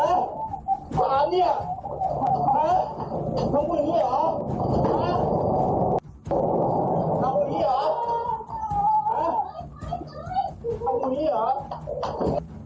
เอ๊ะขาเนี่ย